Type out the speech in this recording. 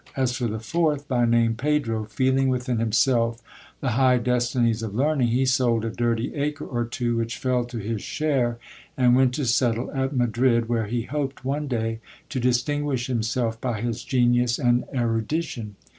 As for the fourth, by name Pedro, feeling within himself the high destinies of learning, he sold a dirty acre or two which fell to his share, and went to settle at Madrid, where he hoped one day to distinguish himself by his genius and erudition.